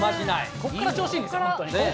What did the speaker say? ここから調子いいんです。